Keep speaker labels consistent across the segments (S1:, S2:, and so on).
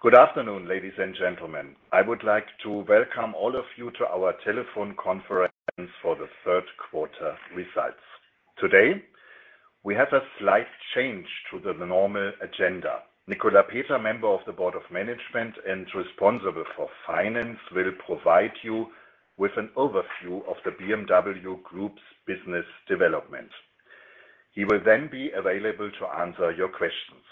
S1: Good afternoon, ladies and gentlemen. I would like to welcome all of you to our telephone conference for the third quarter results. Today, we have a slight change to the normal agenda. Nicolas Peter, Member of the Board of Management and responsible for finance, will provide you with an overview of the BMW Group's business development. He will then be available to answer your questions.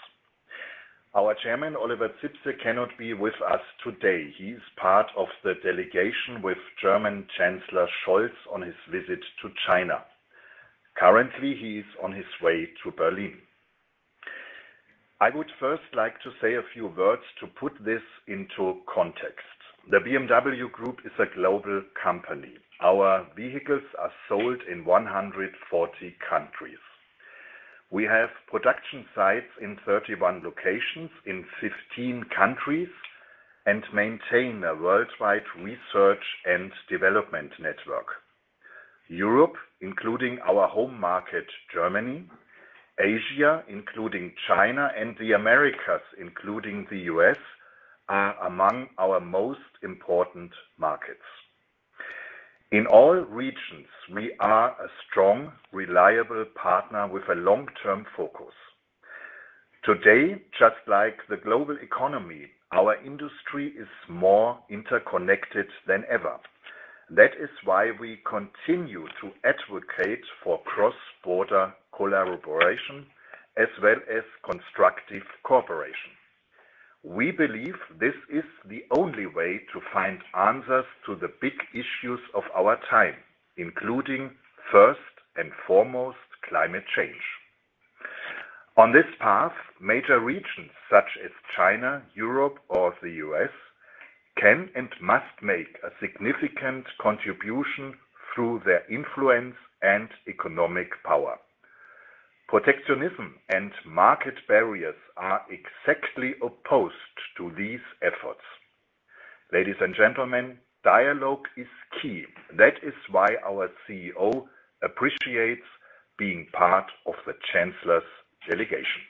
S1: Our Chairman, Oliver Zipse, cannot be with us today. He is part of the delegation with German Chancellor Scholz on his visit to China. Currently, he's on his way to Berlin. I would first like to say a few words to put this into context. The BMW Group is a global company. Our vehicles are sold in 140 countries. We have production sites in 31 locations in 15 countries and maintain a worldwide research and development network. Europe, including our home market, Germany, Asia, including China and the Americas, including the U.S., are among our most important markets. In all regions, we are a strong, reliable partner with a long-term focus. Today, just like the global economy, our industry is more interconnected than ever. That is why we continue to advocate for cross-border collaboration as well as constructive cooperation. We believe this is the only way to find answers to the big issues of our time, including, first and foremost, climate change. On this path, major regions such as China, Europe or the U.S., can and must make a significant contribution through their influence and economic power. Protectionism and market barriers are exactly opposed to these efforts. Ladies and gentlemen, dialogue is key. That is why our CEO appreciates being part of the chancellor's delegation.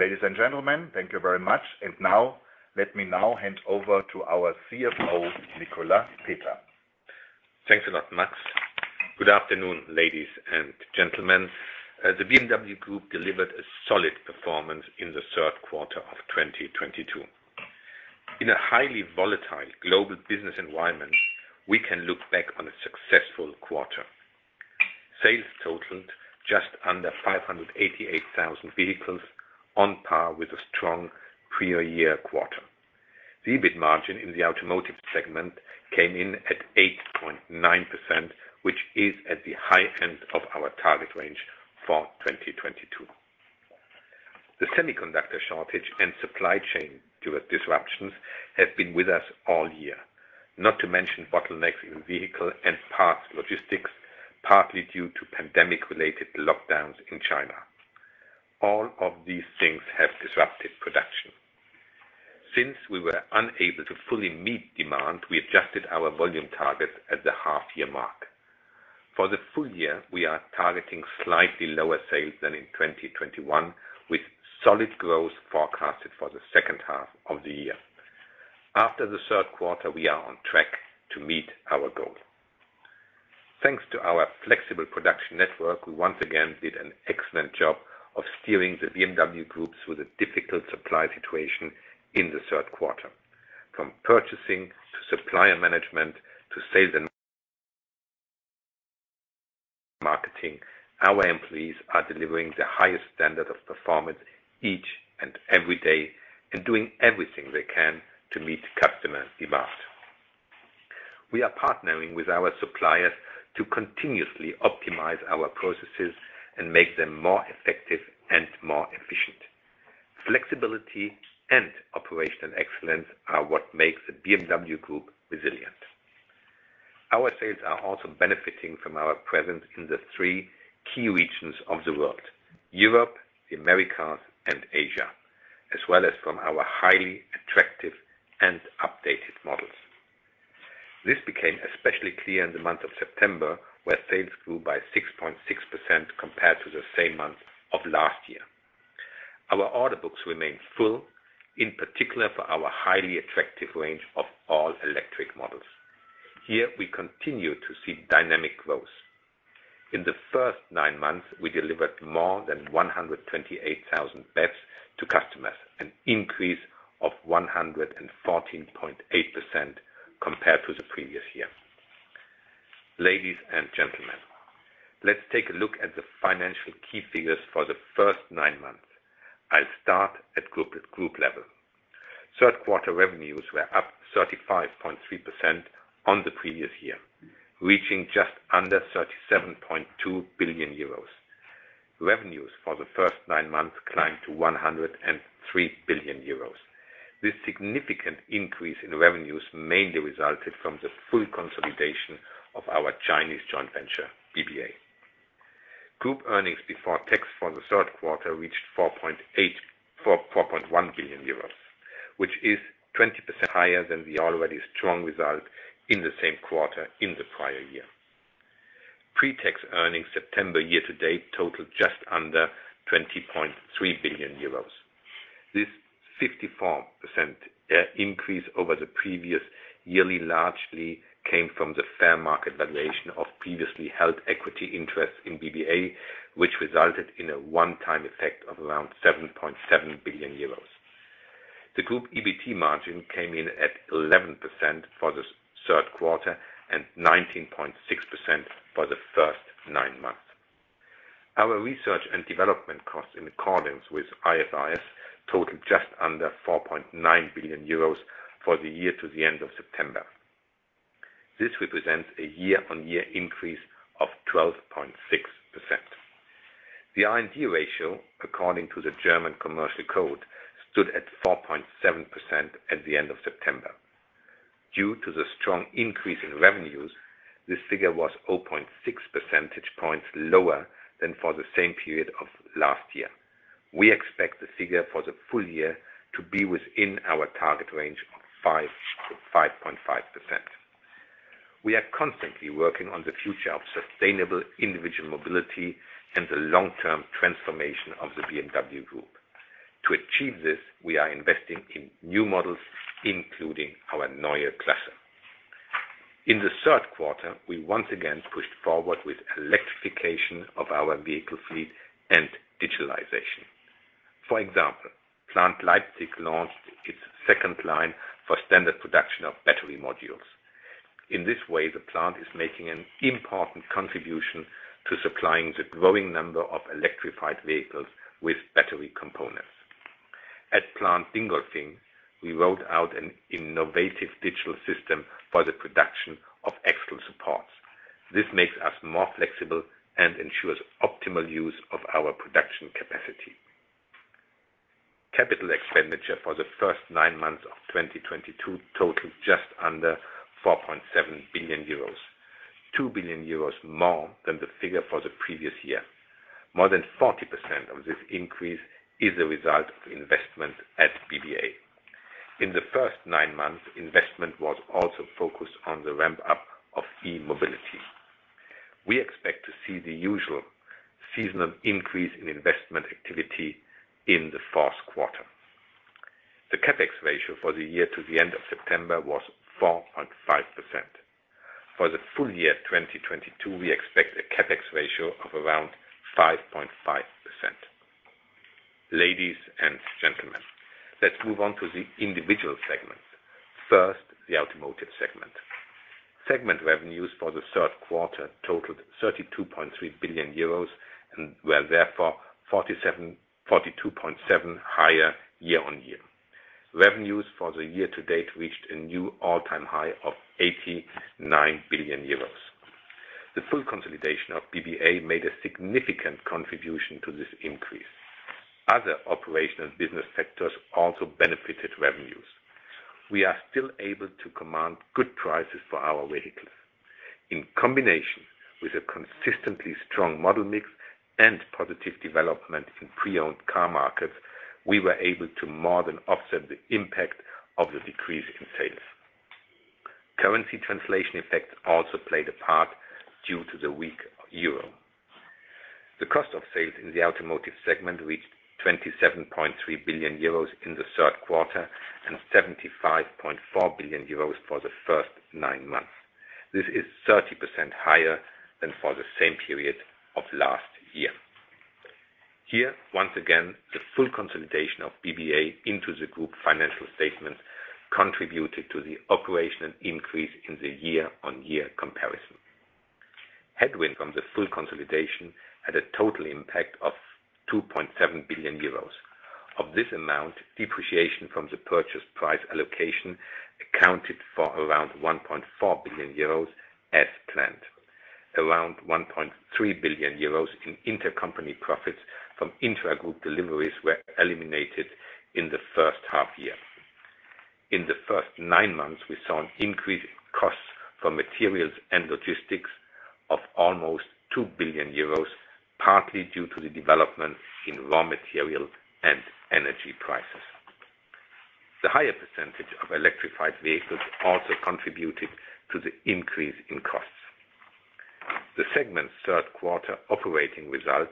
S1: Ladies and gentlemen, thank you very much. Now, let me now hand over to our CFO, Nicolas Peter.
S2: Thanks a lot, Max. Good afternoon, ladies and gentlemen. The BMW Group delivered a solid performance in the third quarter of 2022. In a highly volatile global business environment, we can look back on a successful quarter. Sales totaled just under 588,000 vehicles on par with a strong prior year quarter. The EBIT margin in the automotive segment came in at 8.9%, which is at the high end of our target range for 2022. The semiconductor shortage and supply chain disruptions have been with us all year, not to mention bottlenecks in vehicle and parts logistics, partly due to pandemic-related lockdowns in China. All of these things have disrupted production. Since we were unable to fully meet demand, we adjusted our volume targets at the half year mark. For the full year, we are targeting slightly lower sales than in 2021, with solid growth forecasted for the second half of the year. After the third quarter, we are on track to meet our goal. Thanks to our flexible production network, we once again did an excellent job of steering the BMW Group with a difficult supply situation in the third quarter. From purchasing to supplier management to sales and marketing, our employees are delivering the highest standard of performance each and every day and doing everything they can to meet customer demand. We are partnering with our suppliers to continuously optimize our processes and make them more effective and more efficient. Flexibility and operational excellence are what makes the BMW Group resilient. Our sales are also benefiting from our presence in the three key regions of the world, Europe, the Americas, and Asia, as well as from our highly attractive and updated models. This became especially clear in the month of September, where sales grew by 6.6% compared to the same month of last year. Our order books remain full, in particular for our highly attractive range of all electric models. Here, we continue to see dynamic growth. In the first nine months, we delivered more than 128,000 BEVs to customers, an increase of 114.8% compared to the previous year. Ladies and gentlemen, let's take a look at the financial key figures for the first nine months. I'll start at group level. Third quarter revenues were up 35.3% on the previous year, reaching just under 37.2 billion euros. Revenues for the first nine months climbed to 103 billion euros. This significant increase in revenues mainly resulted from the full consolidation of our Chinese joint venture, BBA. Group earnings before tax for the third quarter reached 4.1 billion euros, which is 20% higher than the already strong result in the same quarter in the prior year. Pre-tax earnings September year-to-date totaled just under 20.3 billion euros. This 54% increase over the previous year largely came from the fair market valuation of previously held equity interest in BBA, which resulted in a one-time effect of around 7.7 billion euros. The group EBT margin came in at 11% for the third quarter and 19.6% for the first nine months. Our research and development costs in accordance with IFRS totaled just under 4.9 billion euros for the year to the end of September. This represents a year-on-year increase of 12.6%. The R&D ratio, according to the German Commercial Code, stood at 4.7% at the end of September. Due to the strong increase in revenues, this figure was 0.6 percentage points lower than for the same period of last year. We expect the figure for the full year to be within our target range of 5%-5.5%. We are constantly working on the future of sustainable individual mobility and the long-term transformation of the BMW Group. To achieve this, we are investing in new models, including our Neue Klasse. In the third quarter, we once again pushed forward with electrification of our vehicle fleet and digitalization. For example, Plant Leipzig launched its second line for standard production of battery modules. In this way, the plant is making an important contribution to supplying the growing number of electrified vehicles with battery components. At Plant Dingolfing, we rolled out an innovative digital system for the production of axle supports. This makes us more flexible and ensures optimal use of our production capacity. Capital expenditure for the first 9 months of 2022 totaled just under 4.7 billion euros, 2 billion euros more than the figure for the previous year. More than 40% of this increase is a result of investment at BBA. In the first nine months, investment was also focused on the ramp-up of e-mobility. We expect to see the usual seasonal increase in investment activity in the fourth quarter. The CapEx ratio for the year to the end of September was 4.5%. For the full year 2022, we expect a CapEx ratio of around 5.5%. Ladies and gentlemen, let's move on to the individual segments. First, the automotive segment. Segment revenues for the third quarter totaled 32.3 billion euros and were therefore 42.7% higher year-on-year. Revenues for the year to date reached a new all-time high of 89 billion euros. The full consolidation of BBA made a significant contribution to this increase. Other operational business sectors also benefited revenues. We are still able to command good prices for our vehicles. In combination with a consistently strong model mix and positive development in pre-owned car markets, we were able to more than offset the impact of the decrease in sales. Currency translation effects also played a part due to the weak euro. The cost of sales in the automotive segment reached 27.3 billion euros in the third quarter and 75.4 billion euros for the first nine months. This is 30% higher than for the same period of last year. Here, once again, the full consolidation of BBA into the group financial statement contributed to the operational increase in the year-on-year comparison. Headwind from the full consolidation had a total impact of 2.7 billion euros. Of this amount, depreciation from the purchase price allocation accounted for around 1.4 billion euros as planned. Around 1.3 billion euros in intercompany profits from intragroup deliveries were eliminated in the first half year. In the first nine months, we saw an increase in costs for materials and logistics of almost 2 billion euros, partly due to the development in raw material and energy prices. The higher percentage of electrified vehicles also contributed to the increase in costs. The segment's third quarter operating result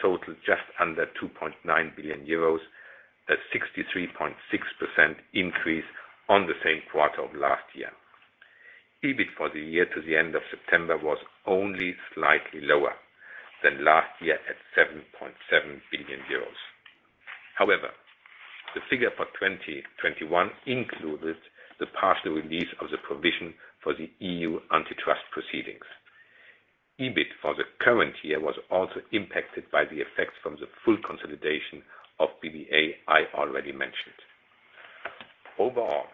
S2: totaled just under 2.9 billion euros, a 63.6% increase on the same quarter of last year. EBIT for the year to the end of September was only slightly lower than last year at 7.7 billion euros. However, the figure for 2021 included the partial release of the provision for the EU antitrust proceedings. EBIT for the current year was also impacted by the effects from the full consolidation of BBA I already mentioned. Overall,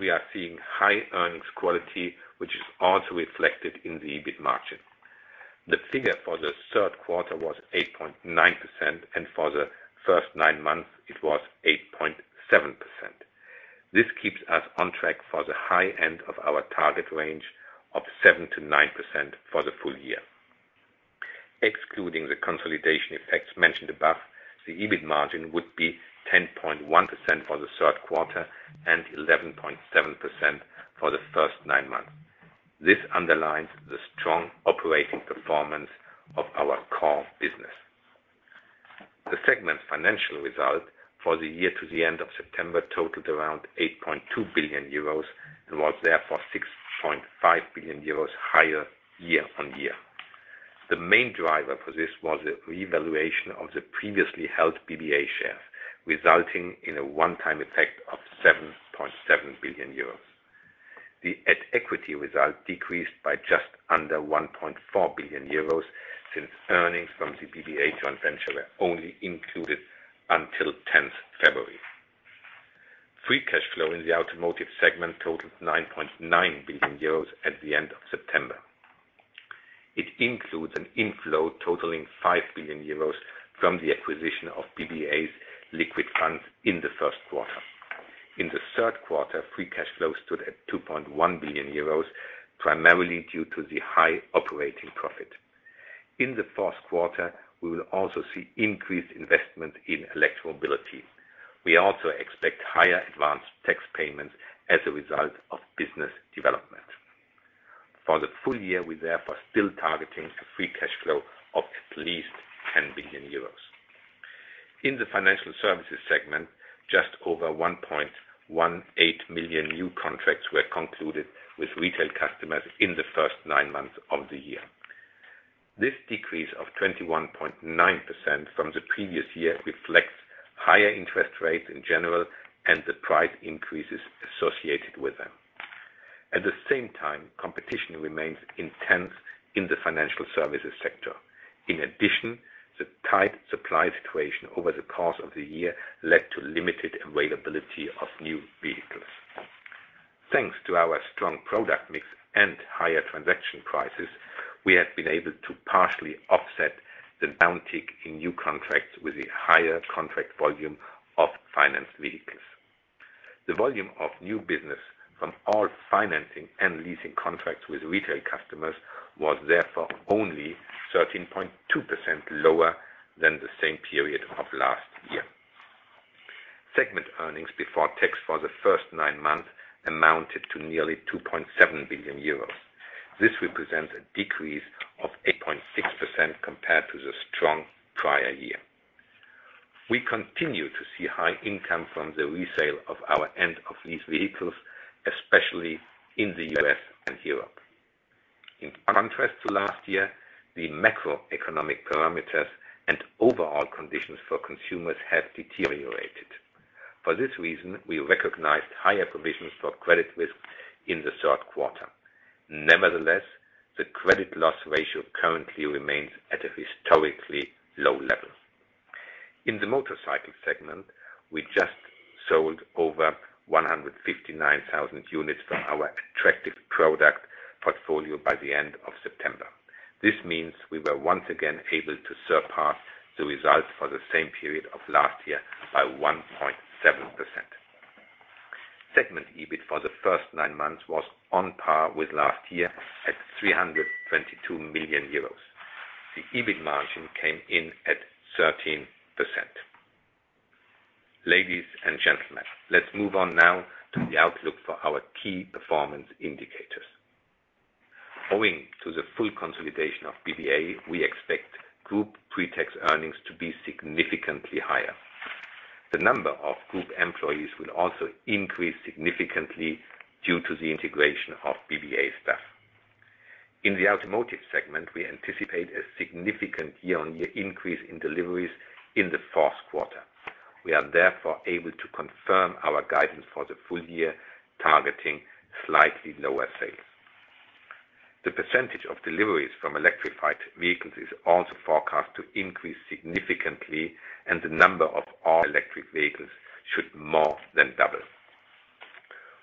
S2: we are seeing high earnings quality, which is also reflected in the EBIT margin. The figure for the third quarter was 8.9%, and for the first nine months it was 8.7%. This keeps us on track for the high end of our target range of 7%-9% for the full year. Excluding the consolidation effects mentioned above, the EBIT margin would be 10.1% for the third quarter and 11.7% for the first nine months. This underlines the strong operating performance of our core business. The segment financial result for the year to the end of September totaled around 8.2 billion euros and was therefore 6.5 billion euros higher year-on-year. The main driver for this was the revaluation of the previously held BBA shares, resulting in a one-time effect of 7.7 billion euros. The at-equity result decreased by just under 1.4 billion euros since earnings from the BBA joint venture were only included until 10th February. Free cash flow in the automotive segment totaled 9.9 billion euros at the end of September. It includes an inflow totaling 5 billion euros from the acquisition of BBA's liquid funds in the first quarter. In the third quarter, free cash flow stood at 2.1 billion euros, primarily due to the high operating profit. In the fourth quarter, we will also see increased investment in electro mobility. We also expect higher advanced tax payments as a result of business development. For the full year, we therefore still targeting a free cash flow of at least 10 billion euros. In the financial services segment, just over 1.18 million new contracts were concluded with retail customers in the first nine months of the year. This decrease of 21.9% from the previous year reflects higher interest rates in general and the price increases associated with them. At the same time, competition remains intense in the financial services sector. In addition, the tight supply situation over the course of the year led to limited availability of new vehicles. Thanks to our strong product mix and higher transaction prices, we have been able to partially offset the downtick in new contracts with a higher contract volume of financed vehicles. The volume of new business from all financing and leasing contracts with retail customers was therefore only 13.2% lower than the same period of last year. Segment earnings before tax for the first nine months amounted to nearly 2.7 billion euros. This represents a decrease of 8.6% compared to the strong prior year. We continue to see high income from the resale of our end-of-lease vehicles, especially in the U.S. and Europe. In contrast to last year, the macroeconomic parameters and overall conditions for consumers have deteriorated. For this reason, we recognized higher provisions for credit risk in the third quarter. Nevertheless, the credit loss ratio currently remains at a historically low level. In the motorcycle segment, we just sold over 159,000 units from our attractive product portfolio by the end of September. This means we were once again able to surpass the results for the same period of last year by 1.7%. Segment EBIT for the first nine months was on par with last year at 322 million euros. The EBIT margin came in at 13%. Ladies and gentlemen, let's move on now to the outlook for our key performance indicators. Owing to the full consolidation of BBA, we expect group pretax earnings to be significantly higher. The number of group employees will also increase significantly due to the integration of BBA staff. In the automotive segment, we anticipate a significant year-on-year increase in deliveries in the fourth quarter. We are therefore able to confirm our guidance for the full year, targeting slightly lower sales. The percentage of deliveries from electrified vehicles is also forecast to increase significantly, and the number of all-electric vehicles should more than double.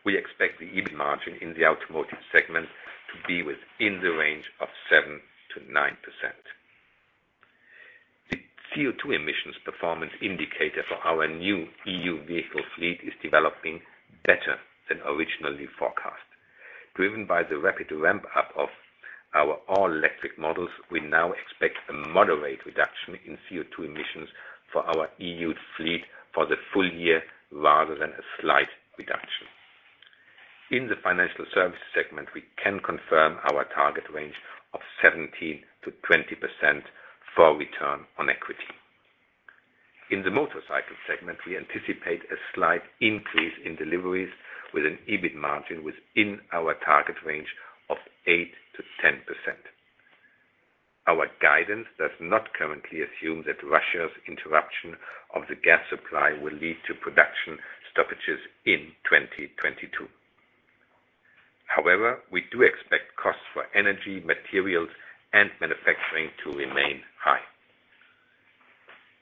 S2: We expect the EBIT margin in the automotive segment to be within the range of 7%-9%. The CO₂ emissions performance indicator for our new EU vehicle fleet is developing better than originally forecast. Driven by the rapid ramp-up of our all-electric models, we now expect a moderate reduction in CO₂ emissions for our EU fleet for the full year rather than a slight reduction. In the financial services segment, we can confirm our target range of 17%-20% for return on equity. In the motorcycle segment, we anticipate a slight increase in deliveries with an EBIT margin within our target range of 8%-10%. Our guidance does not currently assume that Russia's interruption of the gas supply will lead to production stoppages in 2022. However, we do expect costs for energy, materials, and manufacturing to remain high.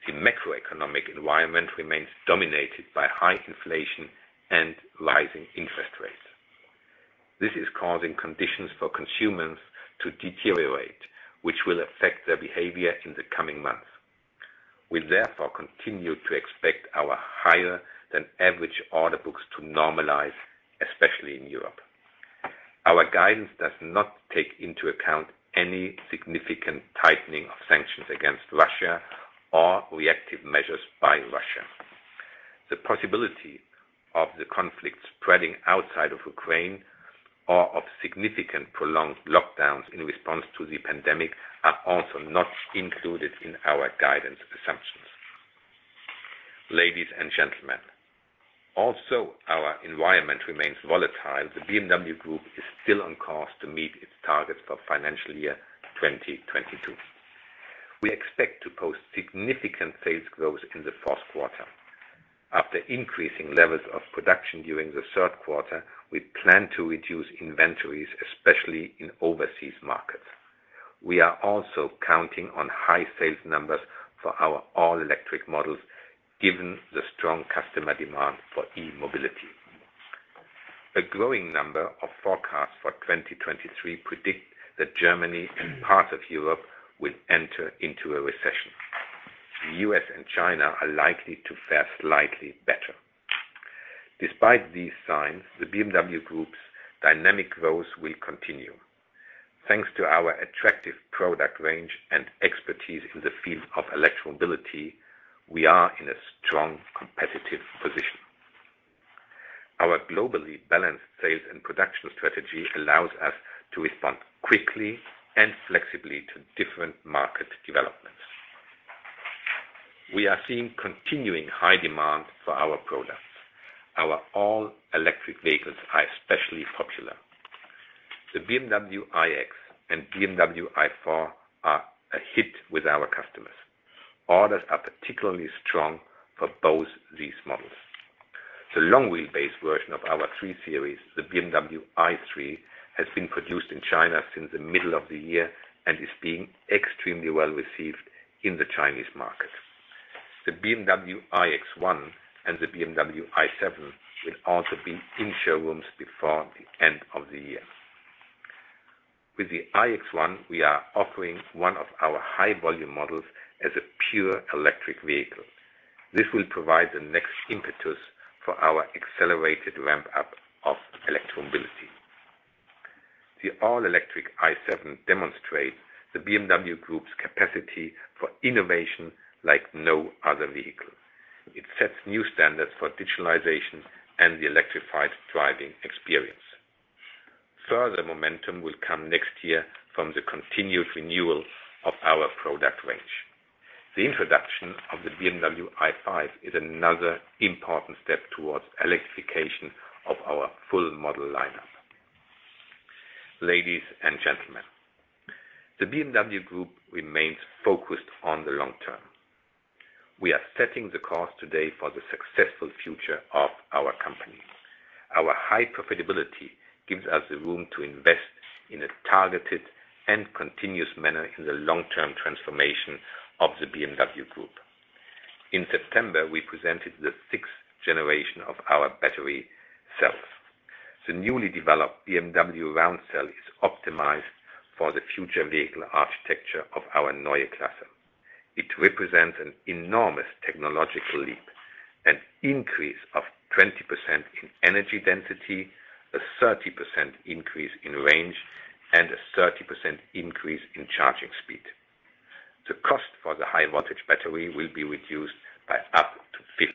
S2: The macroeconomic environment remains dominated by high inflation and rising interest rates. This is causing conditions for consumers to deteriorate, which will affect their behavior in the coming months. We therefore continue to expect our higher than average order books to normalize, especially in Europe. Our guidance does not take into account any significant tightening of sanctions against Russia or reactive measures by Russia. The possibility of the conflict spreading outside of Ukraine or of significant prolonged lockdowns in response to the pandemic are also not included in our guidance assumptions. Ladies and gentlemen, also our environment remains volatile. The BMW Group is still on course to meet its targets for financial year 2022. We expect to post significant sales growth in the first quarter. After increasing levels of production during the third quarter, we plan to reduce inventories, especially in overseas markets. We are also counting on high sales numbers for our all-electric models, given the strong customer demand for e-mobility. A growing number of forecasts for 2023 predict that Germany and parts of Europe will enter into a recession. The U.S. and China are likely to fare slightly better. Despite these signs, the BMW Group's dynamic growth will continue. Thanks to our attractive product range and expertise in the field of electro-mobility, we are in a strong competitive position. Our globally balanced sales and production strategy allows us to respond quickly and flexibly to different market developments. We are seeing continuing high demand for our products. Our all-electric vehicles are especially popular. The BMW iX and BMW i4 are a hit with our customers. Orders are particularly strong for both these models. The long-wheelbase version of our 3 Series, the BMW i3, has been produced in China since the middle of the year and is being extremely well received in the Chinese market. The BMW iX1 and the BMW i7 will also be in showrooms before the end of the year. With the iX1, we are offering one of our high-volume models as a pure electric vehicle. This will provide the next impetus for our accelerated ramp up of electro-mobility. The all-electric i7 demonstrates the BMW Group's capacity for innovation like no other vehicle. It sets new standards for digitalization and the electrified driving experience. Further momentum will come next year from the continued renewal of our product range. The introduction of the BMW i5 is another important step towards electrification of our full model lineup. Ladies and gentlemen, the BMW Group remains focused on the long term. We are setting the course today for the successful future of our company. Our high profitability gives us the room to invest in a targeted and continuous manner in the long-term transformation of the BMW Group. In September, we presented the sixth generation of our battery cells. The newly developed BMW round cell is optimized for the future vehicle architecture of our Neue Klasse. It represents an enormous technological leap, an increase of 20% in energy density, a 30% increase in range, and a 30% increase in charging speed. The cost for the high-voltage battery will be reduced by up to 50%.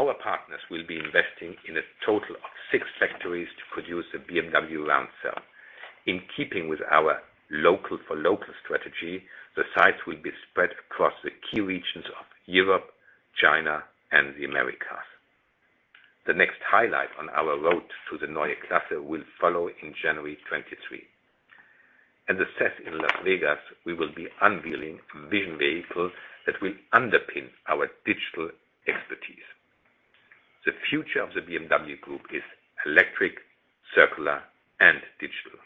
S2: Our partners will be investing in a total of six factories to produce the BMW round cell. In keeping with our local for local strategy, the sites will be spread across the key regions of Europe, China, and the Americas. The next highlight on our road to the Neue Klasse will follow in January 2023. At the CES in Las Vegas, we will be unveiling vision vehicles that will underpin our digital expertise. The future of the BMW Group is electric, circular, and digital.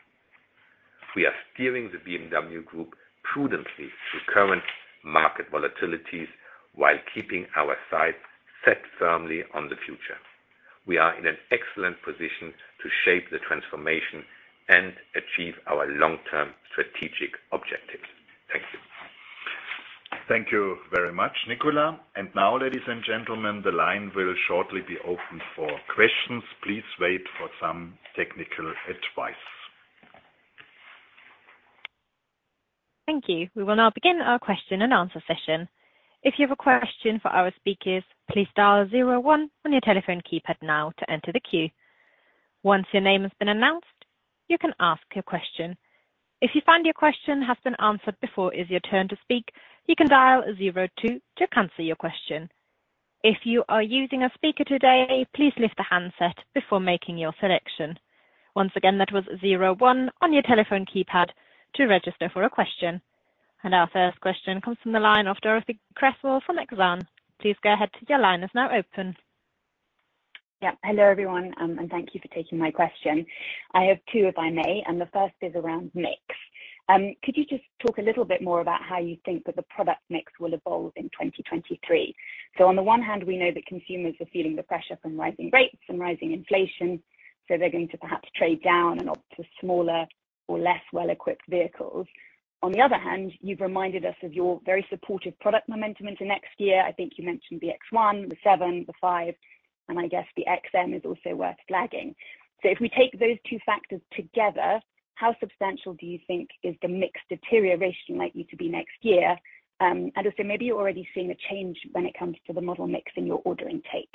S2: We are steering the BMW Group prudently through current market volatilities while keeping our sights set firmly on the future. We are in an excellent position to shape the transformation and achieve our long-term strategic objectives. Thank you.
S1: Thank you very much, Nicolas. Now, ladies and gentlemen, the line will shortly be open for questions. Please wait for some technical advice.
S3: Thank you. We will now begin our question and answer session. If you have a question for our speakers, please dial zero one on your telephone keypad now to enter the queue. Once your name has been announced, you can ask your question. If you find your question has been answered before it is your turn to speak, you can dial zero two to cancel your question. If you are using a speaker today, please lift the handset before making your selection. Once again, that was zero one on your telephone keypad to register for a question. Our first question comes from the line of Dorothee Cresswell from Exane. Please go ahead. Your line is now open.
S4: Yeah. Hello, everyone, and thank you for taking my question. I have two, if I may, and the first is around mix. Could you just talk a little bit more about how you think that the product mix will evolve in 2023? On the one hand, we know that consumers are feeling the pressure from rising rates and rising inflation, so they're going to perhaps trade down and opt for smaller or less well-equipped vehicles. On the other hand, you've reminded us of your very supportive product momentum into next year. I think you mentioned the X1, the 7, the 5, and I guess the XM is also worth flagging. If we take those two factors together, how substantial do you think is the mix deterioration likely to be next year? Maybe you're already seeing a change when it comes to the model mix in your order intake.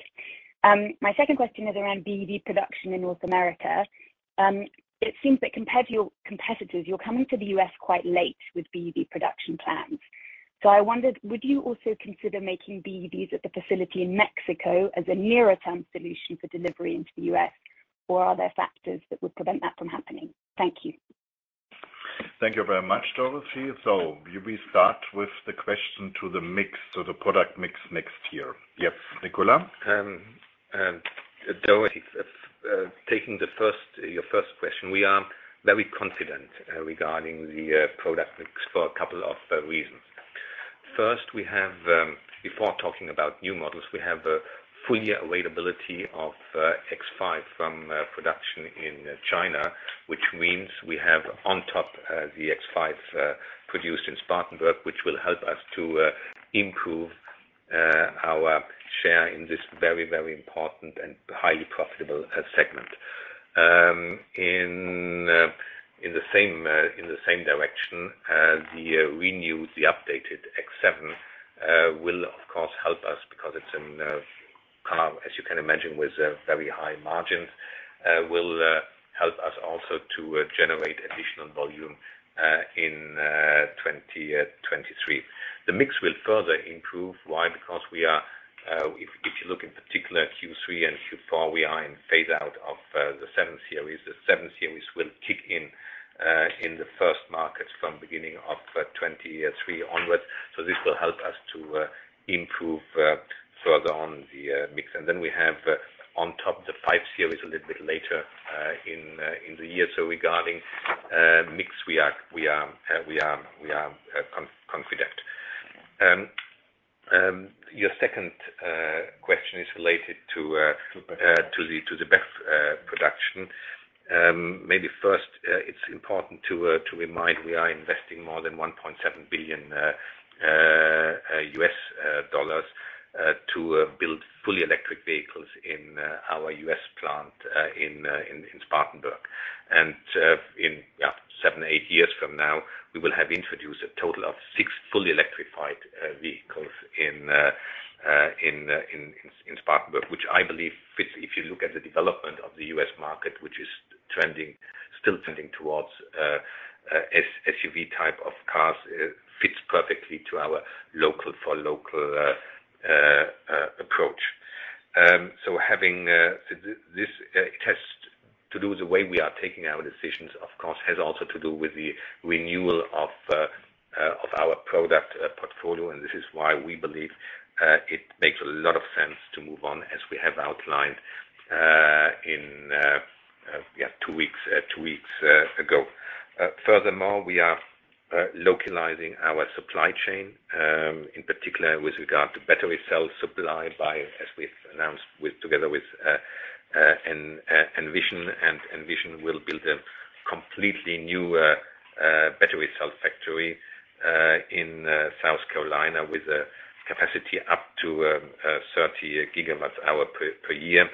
S4: My second question is around BEV production in North America. It seems that compared to your competitors, you're coming to the U.S. quite late with BEV production plans. I wondered, would you also consider making BEVs at the facility in Mexico as a nearer-term solution for delivery into the U.S.? Or are there factors that would prevent that from happening? Thank you.
S1: Thank you very much, Dorothy. We start with the question to the product mix next year. Yes, Nicolas.
S2: Dorothee, taking your first question, we are very confident regarding the product mix for a couple of reasons. First, before talking about new models, we have full year availability of X5 from production in China, which means we have on top the X5 produced in Spartanburg, which will help us to improve our share in this very important and highly profitable segment. In the same direction, the updated X7 will of course help us because it's a car, as you can imagine, with very high margins, will help us also to generate additional volume in 2023. The mix will further improve. Why? Because we are, if you look in particular Q3 and Q4, we are in phase out of the 7 Series. The 7 Series will kick in in the first markets from beginning of 2023 onwards. This will help us to improve further on the mix. Then we have on top the 5 Series a little bit later in the year. Regarding mix, we are confident. Your second question is related to the BEV production. Maybe first, it's important to remind we are investing more than $1.7 billion to build fully electric vehicles in our U.S. plant in Spartanburg. In seven-eight years from now, we will have introduced a total of six fully electrified vehicles in Spartanburg, which I believe fits if you look at the development of the U.S. market, which is trending, still trending towards SUV type of cars, fits perfectly to our local-for-local approach. Having this test to do the way we are taking our decisions, of course, has also to do with the renewal of our product portfolio. This is why we believe it makes a lot of sense to move on as we have outlined in two weeks ago. Furthermore, we are localizing our supply chain in particular with regard to battery cell supply by, as we've announced with, together with Envision. Envision will build a completely new battery cell factory in South Carolina with a capacity up to 30 GWh per year.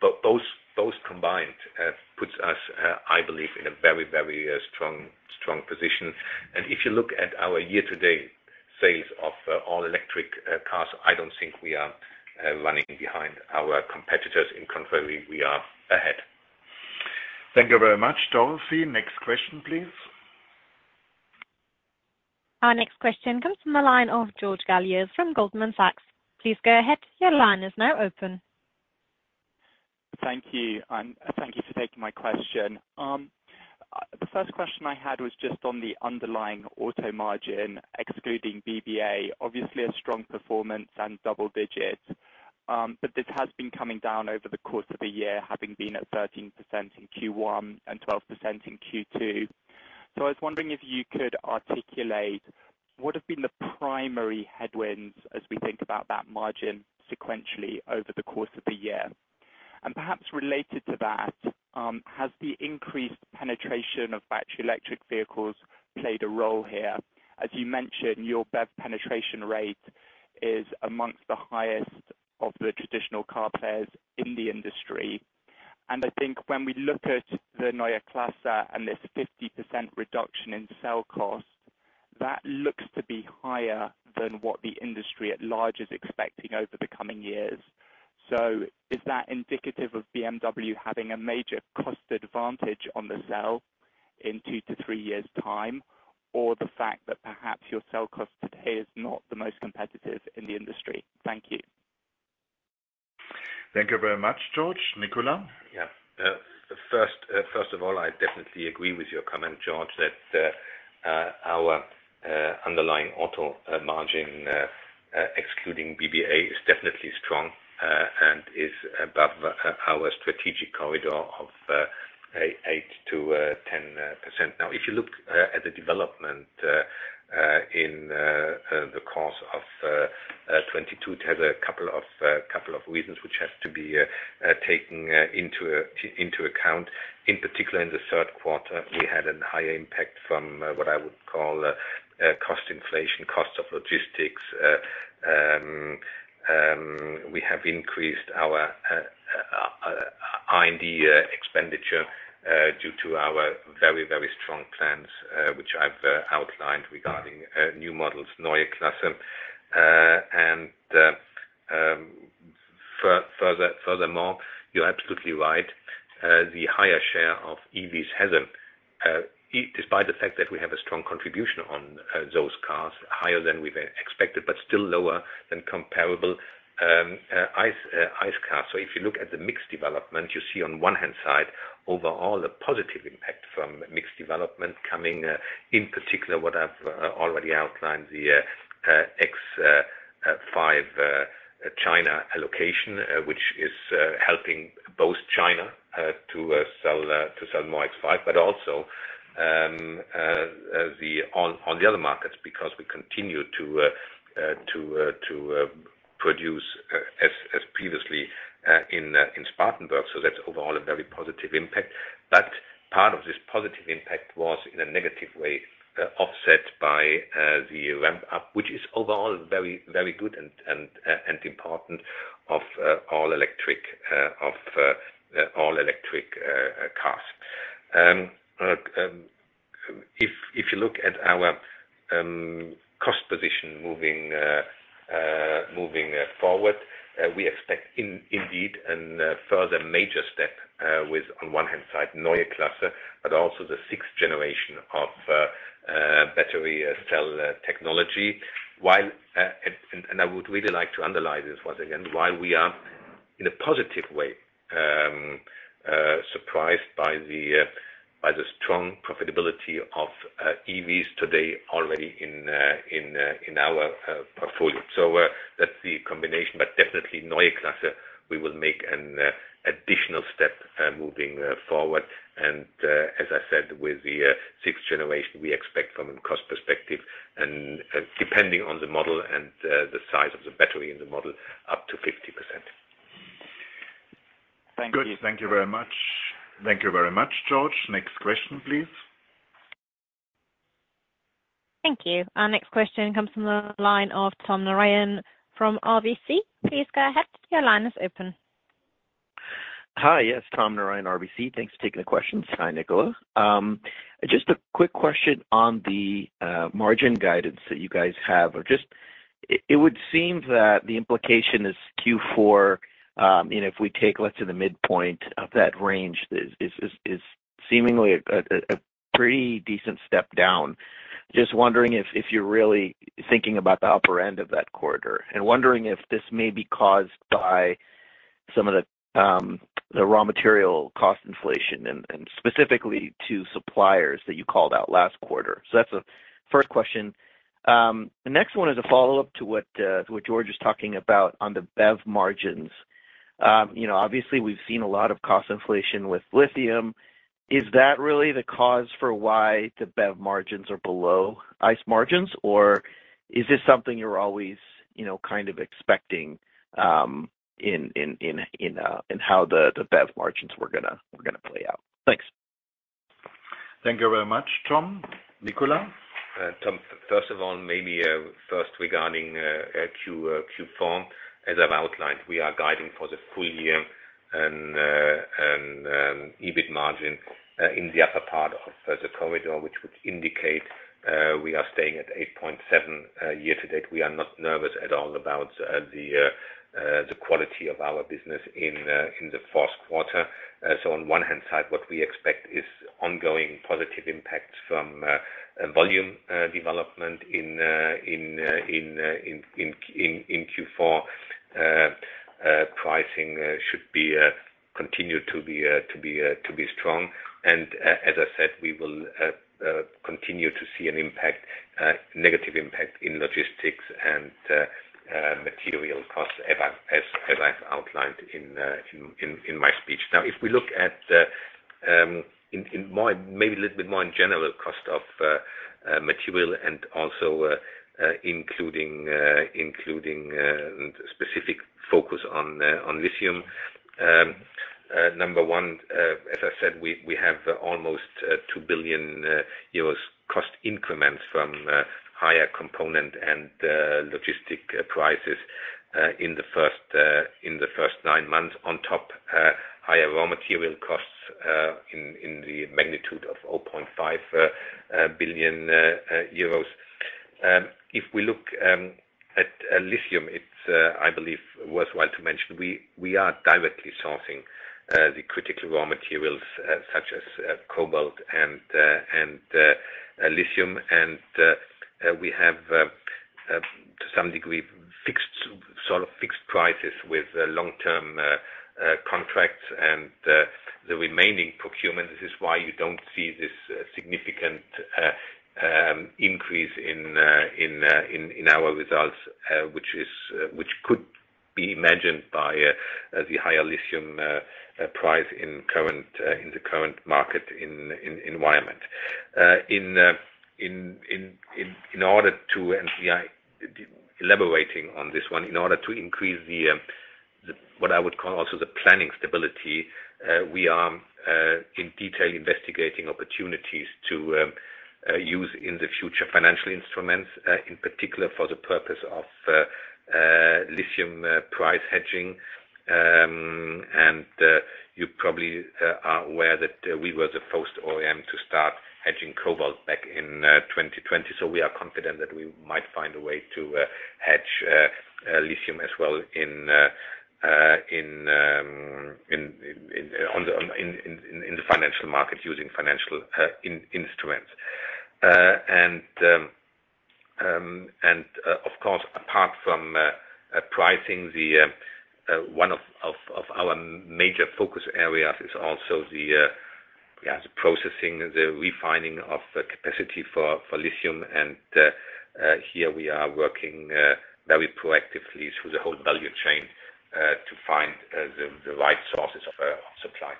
S2: Both combined puts us, I believe, in a very strong position. If you look at our year-to-date sales of all electric cars, I don't think we are running behind our competitors. On the contrary, we are ahead.
S1: Thank you very much, Dorothee. Next question, please.
S3: Our next question comes from the line of George Galliers from Goldman Sachs. Please go ahead. Your line is now open.
S5: Thank you. Thank you for taking my question. The first question I had was just on the underlying auto margin, excluding BBA, obviously a strong performance and double digit. But this has been coming down over the course of the year, having been at 13% in Q1 and 12% in Q2. I was wondering if you could articulate what have been the primary headwinds as we think about that margin sequentially over the course of the year? Perhaps related to that, has the increased penetration of battery electric vehicles played a role here? As you mentioned, your BEV penetration rate is among the highest of the traditional car players in the industry. I think when we look at the Neue Klasse and this 50% reduction in cell costs, that looks to be higher than what the industry at large is expecting over the coming years. Is that indicative of BMW having a major cost advantage on the cell in two-three years time, or the fact that perhaps your cell cost today is not the most competitive in the industry? Thank you.
S1: Thank you very much, George. Nicolas.
S2: Yeah. First of all, I definitely agree with your comment, George, that our underlying auto margin excluding BBA is definitely strong and is above our strategic corridor of 8%-10%. Now, if you look at the development in the course of 2022, it has a couple of reasons which has to be taken into account. In particular, in the third quarter, we had a higher impact from what I would call cost inflation, cost of logistics. We have increased our R&D expenditure due to our very strong plans which I've outlined regarding new models, Neue Klasse. Furthermore, you're absolutely right. The higher share of EVs has a, despite the fact that we have a strong contribution on those cars, higher than we expected, but still lower than comparable ICE cars. If you look at the mix development, you see on one hand side overall a positive impact from mix development coming in particular, what I've already outlined, the X5 China allocation, which is helping both China to sell more X5, but also on the other markets, because we continue to produce as previously in Spartanburg. That's overall a very positive impact. Part of this positive impact was in a negative way offset by the ramp-up, which is overall very good and important of all electric cars. If you look at our cost position moving forward, we expect indeed a further major step with on one hand side Neue Klasse, but also the sixth generation of battery cell technology. While I would really like to underline this once again, while we are in a positive way surprised by the strong profitability of EVs today already in our portfolio. That's the combination. Definitely, Neue Klasse, we will make an additional step moving forward. As I said, with the sixth generation, we expect from a cost perspective and depending on the model and the size of the battery in the model, up to 50%.
S5: Thank you.
S1: Good. Thank you very much. Thank you very much, George. Next question, please.
S3: Thank you. Our next question comes from the line of Tom Narayan from RBC. Please go ahead. Your line is open.
S6: Hi. Yes, Tom Narayan, RBC. Thanks for taking the question. Hi, Nicolas. Just a quick question on the margin guidance that you guys have. Or just, it would seem that the implication is Q4, you know, if we take, let's say the midpoint of that range is seemingly a pretty decent step down. Just wondering if you're really thinking about the upper end of that corridor. Wondering if this may be caused by some of the raw material cost inflation and specifically to suppliers that you called out last quarter. That's the first question. The next one is a follow-up to what George is talking about on the BEV margins. You know, obviously we've seen a lot of cost inflation with lithium. Is that really the cause for why the BEV margins are below ICE margins? Or is this something you're always, you know, kind of expecting in how the BEV margins were gonna play out? Thanks.
S1: Thank you very much, Tom. Nicolas.
S2: Tom, first of all, maybe first regarding Q4, as I've outlined, we are guiding for the full year EBIT margin in the upper part of the corridor, which would indicate we are staying at 8.7% year to date. We are not nervous at all about the quality of our business in the fourth quarter. On one hand side, what we expect is ongoing positive impacts from volume development in Q4. Pricing should continue to be strong. As I said, we will continue to see a negative impact in logistics and material costs, as I outlined in my speech. Now, if we look at it more, maybe a little bit more in general, cost of material and also including specific focus on lithium. Number one, as I said, we have almost 2 billion euros cost increments from higher component and logistics prices in the first nine months. On top, higher raw material costs in the magnitude of 0.5 billion euros. If we look at lithium, it's, I believe, worthwhile to mention we are directly sourcing the critical raw materials such as cobalt and lithium. We have to some degree fixed, sort of fixed prices with long-term contracts and the remaining procurement. This is why you don't see this significant increase in our results, which could be imagined by the higher lithium price in the current market environment. In order not to go into elaborating on this one. In order to increase what I would call also the planning stability, we are in detail investigating opportunities to use in the future financial instruments, in particular for the purpose of lithium price hedging. You probably are aware that we were the first OEM to start hedging cobalt back in 2020. We are confident that we might find a way to hedge lithium as well in the financial markets using financial instruments. Of course, apart from pricing, one of our major focus areas is also the processing, the refining of the capacity for lithium. Here we are working very proactively through the whole value chain to find the right sources of supply.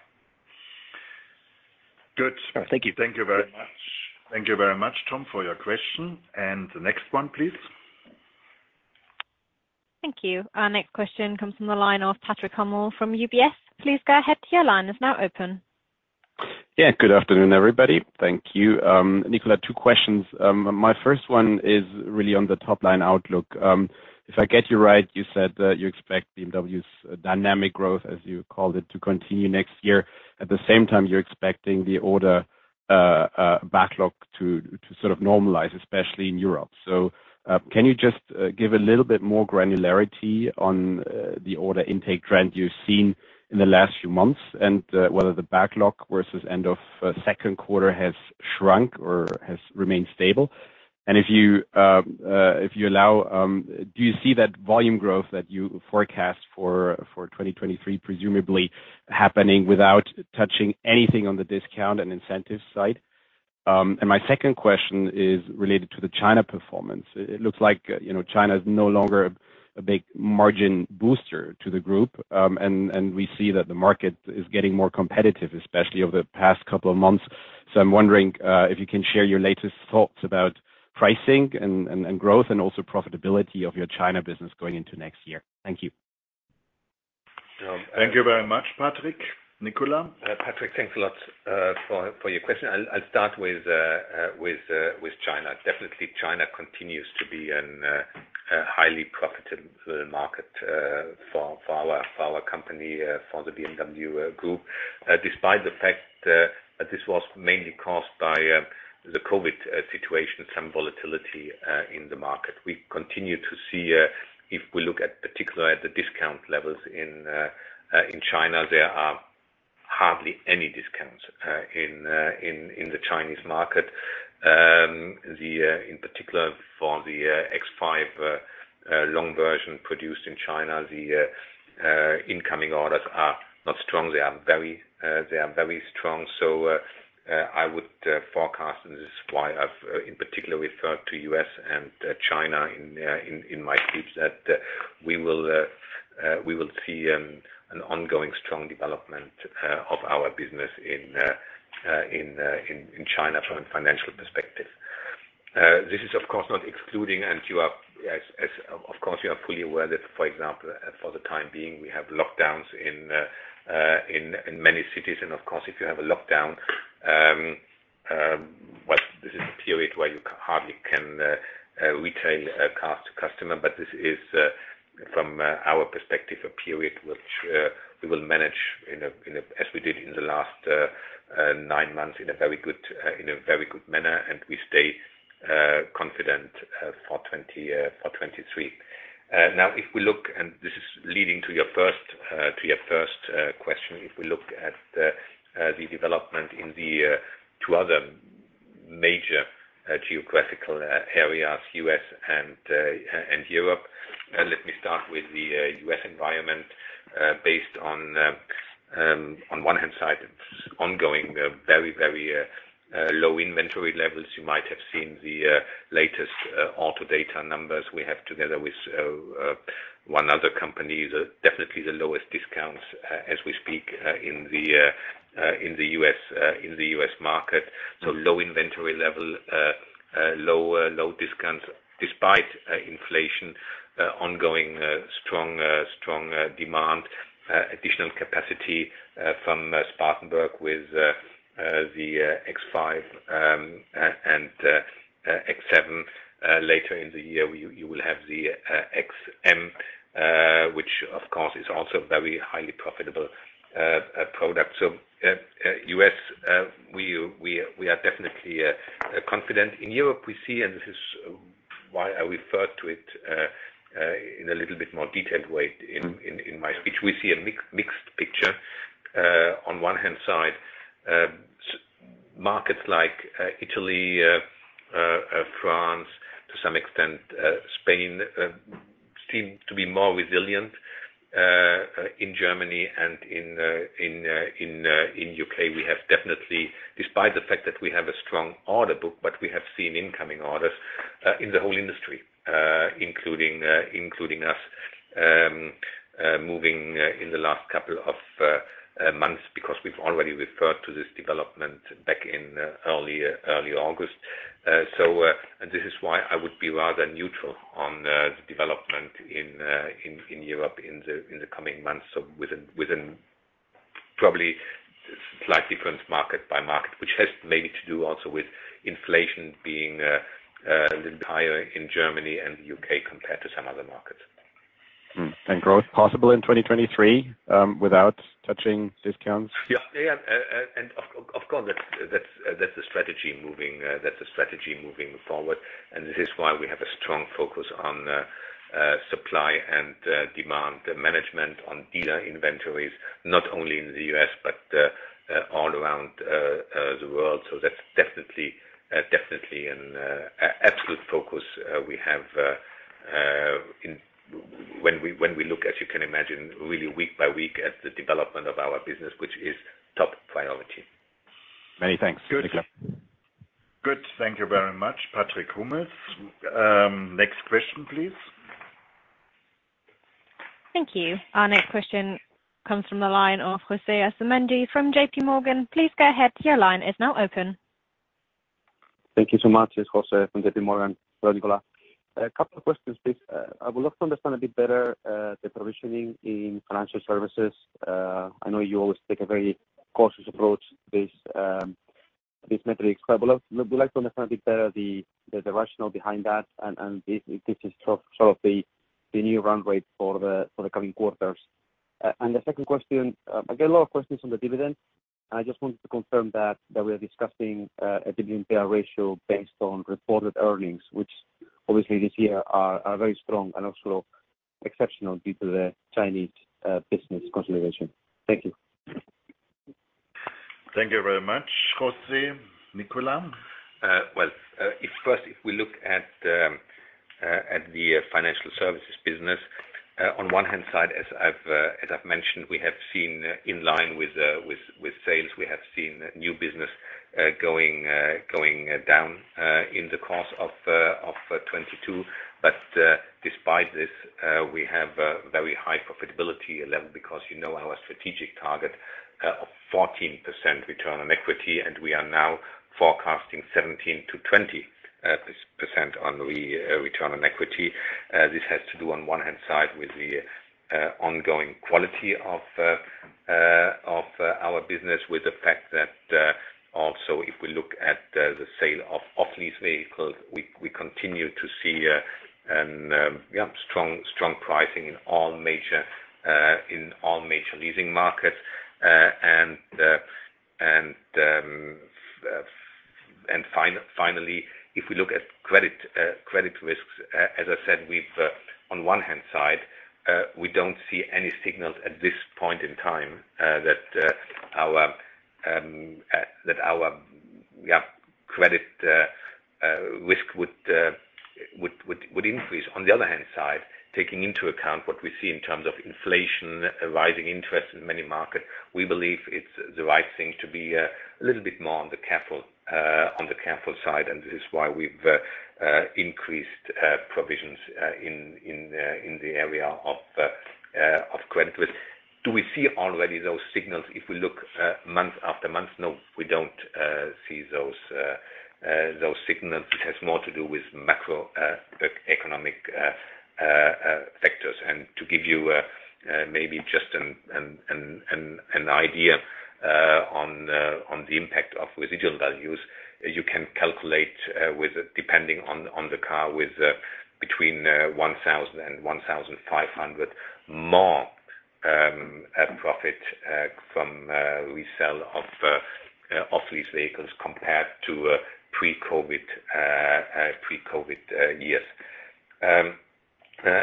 S1: Good. Thank you. Thank you very much. Thank you very much, Tom, for your question. The next one, please.
S3: Thank you. Our next question comes from the line of Patrick Hummel from UBS. Please go ahead. Your line is now open.
S7: Yeah, good afternoon, everybody. Thank you. Nicolas, two questions. My first one is really on the top line outlook. If I get you right, you said that you expect BMW's dynamic growth, as you called it, to continue next year. At the same time, you're expecting the order backlog to sort of normalize, especially in Europe. Can you just give a little bit more granularity on the order intake trend you've seen in the last few months, and whether the backlog versus end of second quarter has shrunk or has remained stable? If you allow, do you see that volume growth that you forecast for 2023 presumably happening without touching anything on the discount and incentive side? My second question is related to the China performance. It looks like, you know, China is no longer a big margin booster to the group, and we see that the market is getting more competitive, especially over the past couple of months. I'm wondering if you can share your latest thoughts about pricing and growth and also profitability of your China business going into next year? Thank you.
S1: Thank you very much, Patrick. Nicolas.
S2: Patrick, thanks a lot for your question. I'll start with China. Definitely, China continues to be a highly profitable market for our company for the BMW Group. Despite the fact this was mainly caused by the COVID situation, some volatility in the market. We continue to see if we look at particularly at the discount levels in China, there are hardly any discounts in the Chinese market. In particular for the X5 long version produced in China, the incoming orders are not strong. They are very strong. I would forecast, and this is why I've, in particular, referred to the U.S. and China in my speech, that we will see an ongoing strong development of our business in China from a financial perspective. This is of course not excluding, and you are, as of course, fully aware that, for example, for the time being, we have lockdowns in many cities. Of course, if you have a lockdown, well, this is a period where you hardly can retain a customer. This is from our perspective a period which we will manage in a as we did in the last nine months in a very good manner, and we stay confident for 2020 for 2023. Now if we look, and this is leading to your first question. If we look at the development in the two other major geographical areas, U.S. and Europe. Let me start with the U.S. environment based on one hand side ongoing very low inventory levels. You might have seen the latest Autodata numbers we have together with one other company. Definitely the lowest discounts as we speak in the U.S. market. Low inventory level, low discounts despite inflation ongoing strong demand, additional capacity from Spartanburg with the X5 and X7. Later in the year, you will have the XM, which of course is also very highly profitable product. U.S. we are definitely confident. In Europe, we see. This is why I referred to it in a little bit more detailed way in my speech. We see a mixed picture. On one hand side, markets like Italy, France to some extent, Spain seem to be more resilient. In Germany and in U.K., we have definitely despite the fact that we have a strong order book, but we have seen incoming orders in the whole industry, including us, moving in the last couple of months because we've already referred to this development back in early August. This is why I would be rather neutral on the development in Europe in the coming months. Within probably slight difference market by market, which has maybe to do also with inflation being a little bit higher in Germany and U.K. compared to some other markets.
S7: Growth possible in 2023 without touching discounts?
S2: Of course, that's the strategy moving forward. This is why we have a strong focus on supply and demand management on dealer inventories, not only in the U.S. but all around the world. That's definitely an absolute focus we have. When we look, as you can imagine, really week by week at the development of our business, which is top priority.
S7: Many thanks.
S1: Good. Thank you very much, Patrick Hummel. Next question, please.
S3: Thank you. Our next question comes from the line of José Asumendi from JPMorgan. Please go ahead. Your line is now open.
S8: Thank you so much. It's José Asumendi from JPMorgan. Hello, Nicolas. A couple of questions, please. I would love to understand a bit better the provisioning in financial services. I know you always take a very cautious approach with these metrics. I would like to understand a bit better the rationale behind that and if this is sort of the new run rate for the coming quarters. The second question, I get a lot of questions on the dividend. I just wanted to confirm that we are discussing a dividend payout ratio based on reported earnings, which obviously this year are very strong and also exceptional due to the Chinese business consolidation. Thank you.
S1: Thank you very much, José. Nicolas.
S2: Well, first, if we look at the financial services business, on the one hand as I've mentioned, we have seen in line with sales. We have seen new business going down in the course of 2022. Despite this, we have a very high profitability level because you know our strategic target of 14% return on equity, and we are now forecasting 17%-20% return on equity. This has to do on one hand side with the ongoing quality of our business with the fact that also if we look at the sale of off-lease vehicles, we continue to see a strong pricing in all major leasing markets. Finally, if we look at credit risks, as I said, we've on one hand side we don't see any signals at this point in time that our credit risk would increase. On the other hand side, taking into account what we see in terms of inflation, rising interest rates in many markets, we believe it's the right thing to be a little bit more on the careful side, and this is why we've increased provisions in the area of credit risk. Do we see already those signals if we look month after month? No, we don't see those signals. It has more to do with macroeconomic factors. To give you maybe just an idea on the impact of residual values, you can calculate, depending on the car, between 1,000 and 1,500 more profit from resell of off-lease vehicles compared to pre-COVID years. Well,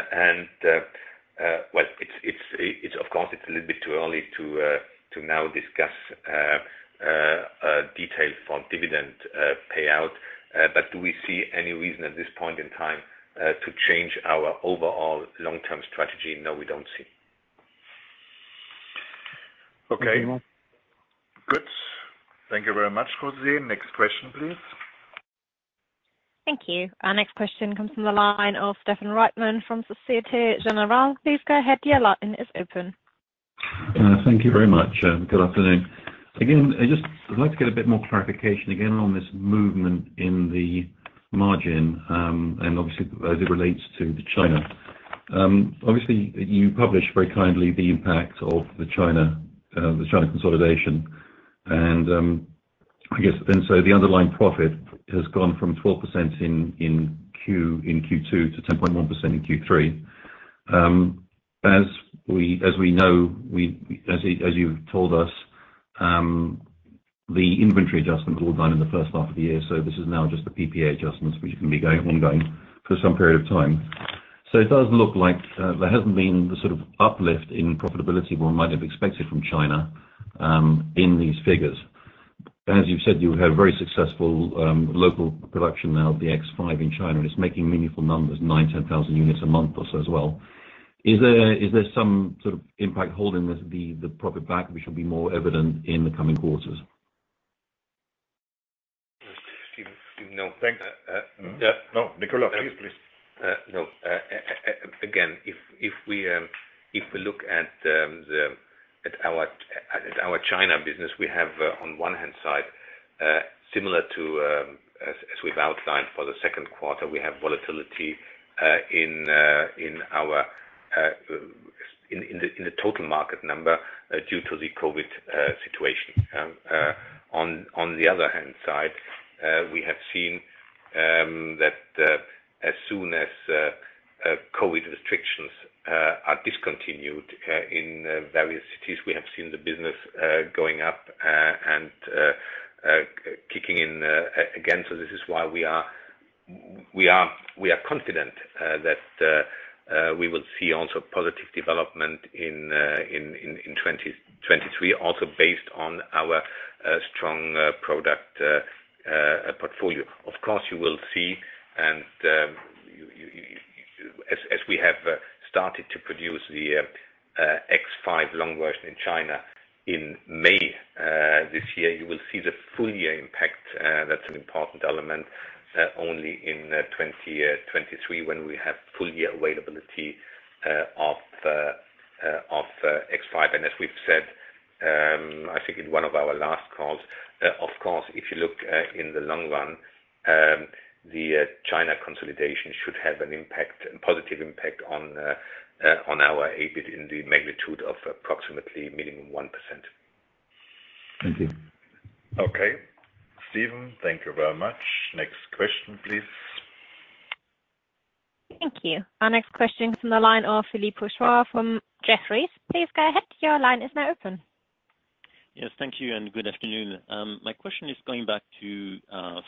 S2: of course, it's a little bit too early to now discuss details on dividend payout. But do we see any reason at this point in time to change our overall long-term strategy? No, we don't see.
S8: Okay. Thank you.
S1: Good. Thank you very much, José. Next question, please.
S3: Thank you. Our next question comes from the line of Stephen Reitman from Société Générale. Please go ahead. Your line is open.
S9: Thank you very much, and good afternoon. Again, I'd like to get a bit more clarification on this movement in the margin, and obviously as it relates to the China. Obviously you published very kindly the impact of the China consolidation. I guess then the underlying profit has gone from 12% in Q2 to 10.1% in Q3. As you've told us, the inventory adjustments were done in the first half of the year. This is now just the PPA adjustments which are gonna be going ongoing for some period of time. It does look like there hasn't been the sort of uplift in profitability one might have expected from China in these figures. As you've said, you had a very successful local production now of the X5 in China, and it's making meaningful numbers, 9-10,000 units a month or so as well. Is there some sort of impact holding the profit back, which will be more evident in the coming quarters?
S1: Stephen, thanks. Yeah. No, Nicolas, please.
S2: No. Again, if we look at our China business, we have on one hand side similar to as we've outlined for the second quarter, we have volatility in the total market number due to the COVID situation. On the other hand side, we have seen that as soon as COVID restrictions are discontinued in various cities, we have seen the business going up and kicking in again. This is why we are confident that we will see also positive development in 2023, also based on our strong product portfolio. Of course, you will see, as we have started to produce the X5 long version in China in May this year, you will see the full-year impact. That's an important element only in 2023 when we have full-year availability of X5. As we've said, I think in one of our last calls, of course, if you look in the long run, the China consolidation should have an impact, a positive impact on our EBIT in the magnitude of approximately minimum 1%.
S9: Thank you.
S1: Okay. Stephen, thank you very much. Next question, please.
S3: Thank you. Our next question from the line of Philippe Houchois from Jefferies. Please go ahead. Your line is now open.
S10: Yes, thank you and good afternoon. My question is going back to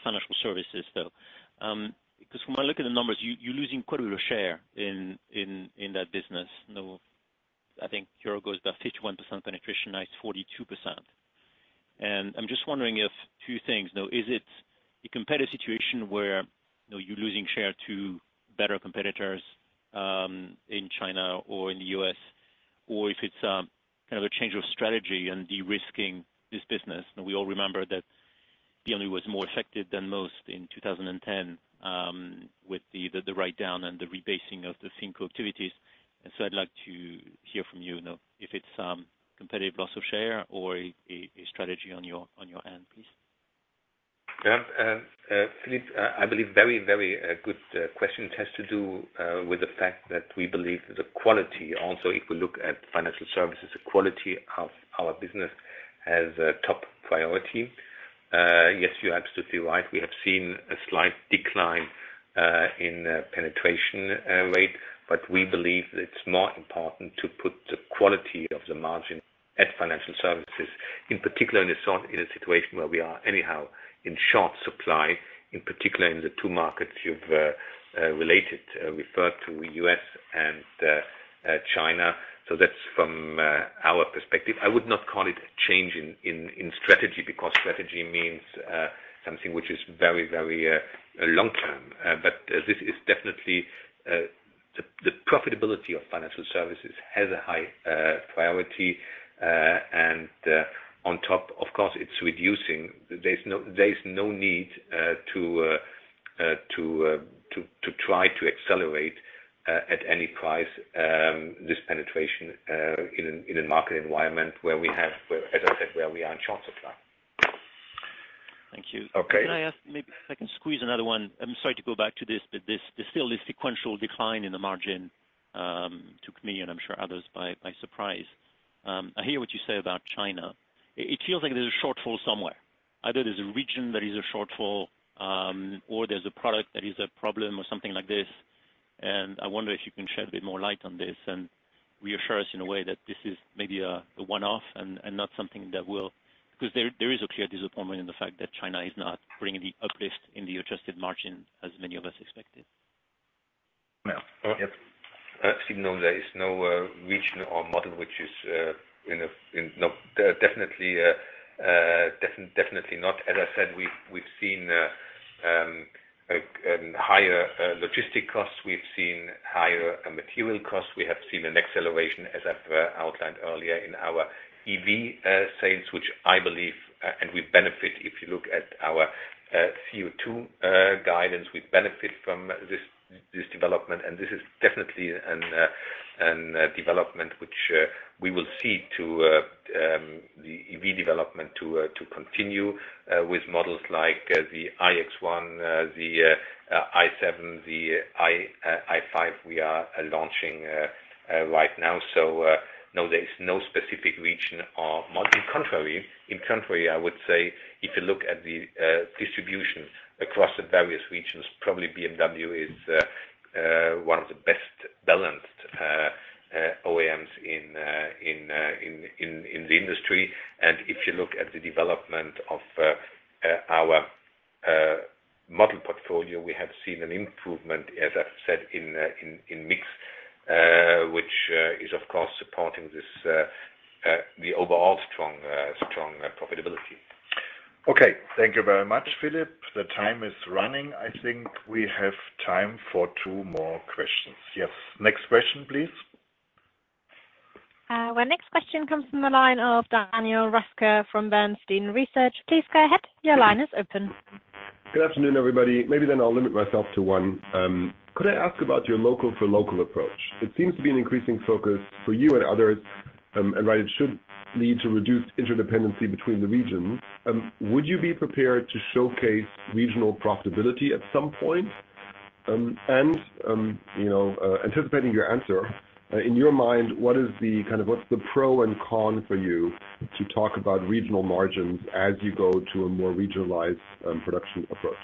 S10: financial services, so 'cause when I look at the numbers, you're losing quite a lot of share in that business. You know, I think BMW goes about 51% penetration, now it's 42%. I'm just wondering if two things, though. Is it a competitive situation where, you know, you're losing share to better competitors in China or in the U.S., or if it's kind of a change of strategy and de-risking this business? We all remember that BMW was more affected than most in 2010 with the write-down and the rebasing of the Think Global activities. I'd like to hear from you know, if it's competitive loss of share or a strategy on your end, please.
S2: Yeah. Philippe, I believe very good question. It has to do with the fact that we believe the quality also, if we look at financial services, the quality of our business has a top priority. Yes, you're absolutely right. We have seen a slight decline in penetration rate, but we believe that it's more important to put the quality of the margin at financial services, in particular in a situation where we are anyhow in short supply, in particular in the two markets you've referred to, U.S. and China. That's from our perspective. I would not call it a change in strategy because strategy means something which is very long-term. This is definitely the profitability of financial services has a high priority. On top of course it's reducing. There is no need to try to accelerate at any price this penetration in a market environment where, as I said, we are in short supply.
S10: Thank you.
S2: Okay.
S10: Can I ask maybe if I can squeeze another one? I'm sorry to go back to this, but this, there's still this sequential decline in the margin, took me, and I'm sure others by surprise. I hear what you say about China. It feels like there's a shortfall somewhere. Either there's a region that is a shortfall, or there's a product that is a problem or something like this. I wonder if you can shed a bit more light on this and reassure us in a way that this is maybe a one-off and not something that will. 'Cause there is a clear disappointment in the fact that China is not bringing the uplift in the adjusted margin as many of us expected.
S2: Yeah. Yep. Actually, no, there is no region or model which is in. No, definitely not. As I said, we've seen higher logistic costs. We've seen higher material costs. We have seen an acceleration, as I've outlined earlier in our EV sales, which I believe and we benefit, if you look at our CO₂ guidance, we benefit from this development. This is definitely a development which we will see the EV development continue with models like the iX1, the i7, the i5 we are launching right now. No, there is no specific region or model. On the contrary, I would say if you look at the distribution across the various regions, probably BMW is one of the best balanced OEMs in the industry. If you look at the development of our model portfolio, we have seen an improvement, as I've said, in mix, which is of course supporting this, the overall strong profitability.
S1: Okay, thank you very much, Philippe. The time is running. I think we have time for two more questions. Yes. Next question, please.
S3: Our next question comes from the line of Daniel Roeska from Bernstein Research. Please go ahead. Your line is open.
S11: Good afternoon, everybody. Maybe then I'll limit myself to one. Could I ask about your local-for-local approach? It seems to be an increasing focus for you and others, and right, it should lead to reduced interdependency between the regions. Would you be prepared to showcase regional profitability at some point? You know, anticipating your answer, in your mind, what is the kind of what's the pro and con for you to talk about regional margins as you go to a more regionalized production approach?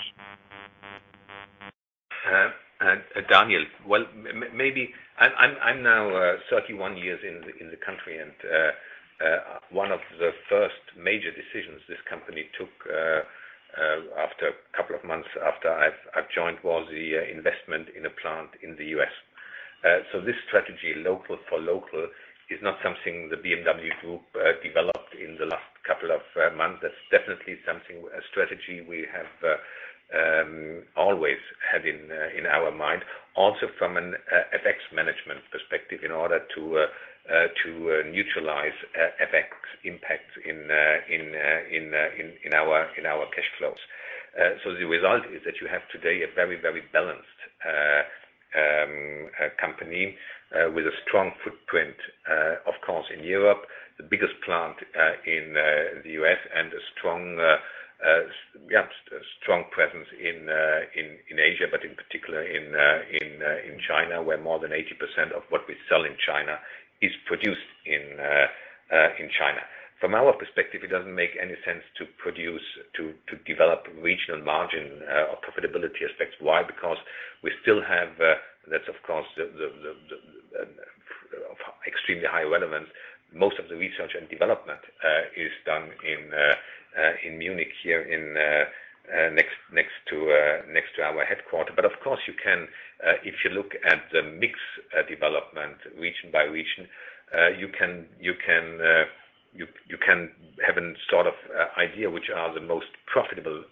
S2: Daniel, well, maybe I'm now 31 years in the country, and one of the first major decisions this company took, after a couple of months after I've joined, was the investment in a plant in the U.S. This strategy, local for local, is not something the BMW Group developed in the last couple of months. That's definitely something, a strategy we have always had in our mind, also from an FX management perspective, in order to neutralize FX impact in our cash flows. The result is that you have today a very, very balanced company with a strong footprint, of course, in Europe, the biggest plant in the U.S. and a strong presence in Asia, but in particular in China, where more than 80% of what we sell in China is produced in China. From our perspective, it doesn't make any sense to produce to develop regional margin or profitability aspects. Why? Because we still have that's of course the extremely high relevance. Most of the research and development is done in Munich here next to our headquarters. Of course you can if you look at the mix development region by region you can have a sort of idea which are the most profitable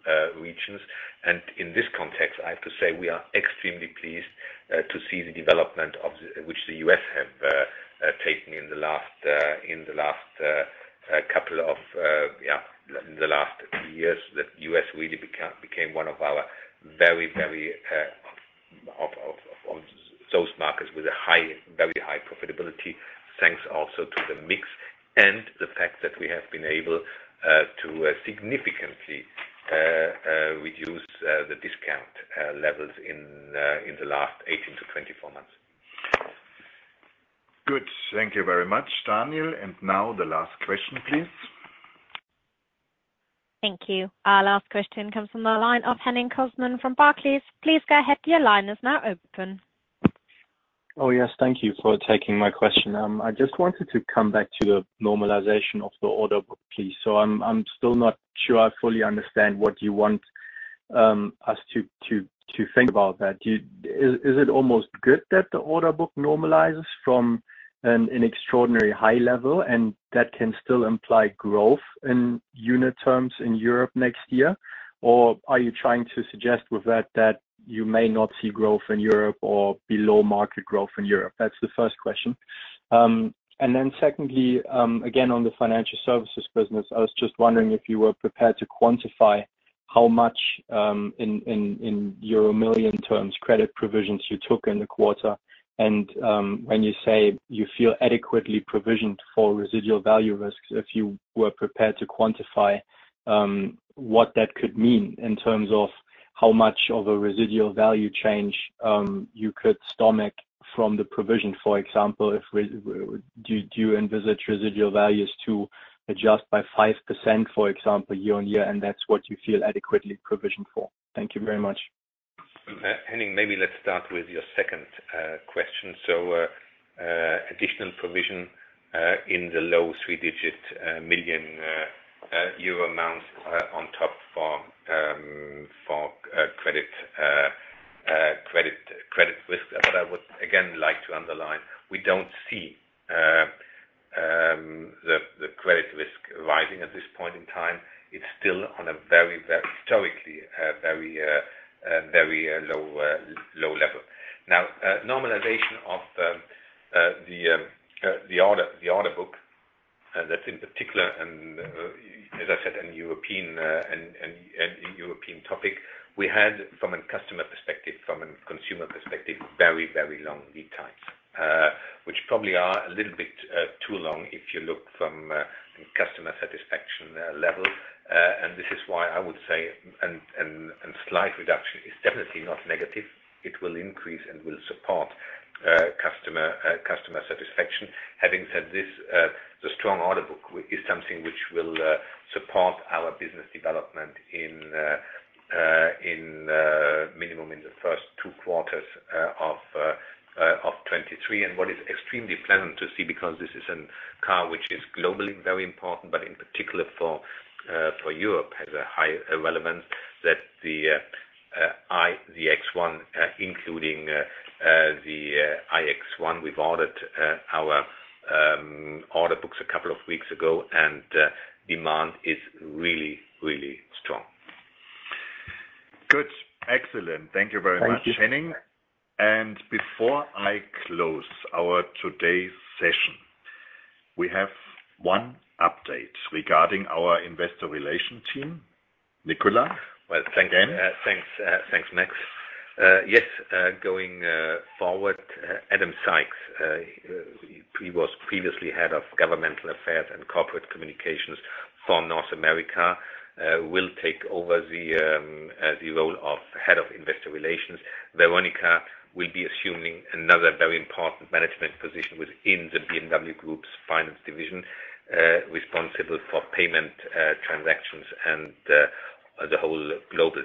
S2: regions. In this context, I have to say we are extremely pleased to see the development which the U.S. have taken in the last couple of years that U.S. really became one of our very of those markets with very high profitability, thanks also to the mix and the fact that we have been able to significantly reduce the discount levels in the last 18-24 months.
S1: Good. Thank you very much, Daniel. Now the last question, please.
S3: Thank you. Our last question comes from the line of Henning Cosman from Barclays. Please go ahead. Your line is now open.
S12: Oh, yes. Thank you for taking my question. I just wanted to come back to the normalization of the order book, please. So I'm still not sure I fully understand what you want us to think about that. Is it almost good that the order book normalizes from an extraordinary high level, and that can still imply growth in unit terms in Europe next year? Or are you trying to suggest with that you may not see growth in Europe or below market growth in Europe? That's the first question. Secondly, again, on the financial services business, I was just wondering if you were prepared to quantify how much in euro million terms, credit provisions you took in the quarter. When you say you feel adequately provisioned for residual value risks, if you were prepared to quantify what that could mean in terms of how much of a residual value change you could stomach from the provision, for example, do you envisage residual values to adjust by 5%, for example, year-on-year, and that's what you feel adequately provisioned for? Thank you very much.
S2: Henning, maybe let's start with your second question. Additional provision in the low three-digit million euro amount on top for credit risk. But I would again like to underline, we don't see the credit risk rising at this point in time. It's still on a very, very low level historically. Now, normalization of the order book, that's in particular, as I said, an European topic we had from a customer perspective, from a consumer perspective, very long lead times, which probably are a little bit too long if you look from a customer satisfaction level. This is why I would say slight reduction is definitely not negative. It will increase and will support customer satisfaction. Having said this, the strong order book is something which will support our business development at minimum in the first two quarters of 2023, and what is extremely pleasant to see because this is a car which is globally very important, but in particular for Europe, has a high relevance that the X1, including the iX1, we've opened our order books a couple of weeks ago, and demand is really, really strong.
S1: Good. Excellent. Thank you very much.
S2: Thank you, Henning.
S1: Before I close our today's session, we have one update regarding our investor relations team. Nicolas?
S2: Well, thanks, Max. Yes, going forward, Adam Sykes, he was previously head of governmental affairs and corporate communications for North America, will take over the role of head of investor relations. Veronika will be assuming another very important management position within the BMW Group's finance division, responsible for payment transactions and the whole global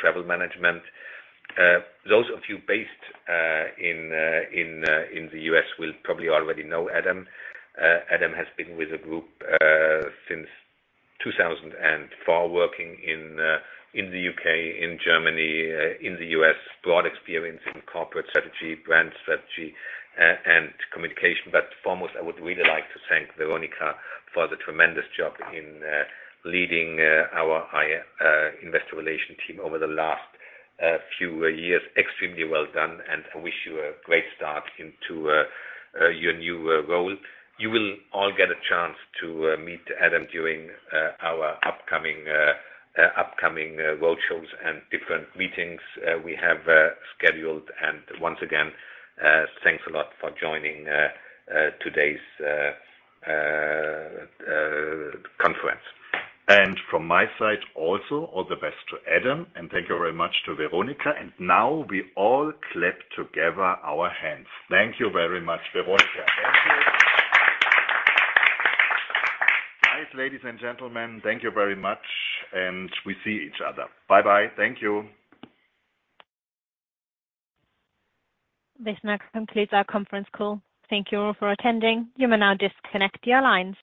S2: travel management. Those of you based in the U.S. will probably already know Adam. Adam has been with the Group since 2004, working in the U.K., in Germany, in the U.S., broad experience in corporate strategy, brand strategy, and communication. Foremost, I would really like to thank Veronika for the tremendous job in leading our IR investor relations team over the last few years. Extremely well done, and I wish you a great start into your new role. You will all get a chance to meet Adam during our upcoming roadshows and different meetings we have scheduled. Once again, thanks a lot for joining today's conference.
S1: From my side also, all the best to Adam, and thank you very much to Veronika. Now we all clap together our hands. Thank you very much, Veronika.
S2: Thank you.
S1: Nice, ladies and gentlemen. Thank you very much, we see each other. Bye-bye. Thank you.
S3: This now concludes our conference call. Thank you all for attending. You may now disconnect your lines.